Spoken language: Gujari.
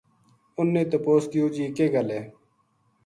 انھ نے تپوس کیو جی کے گل ہے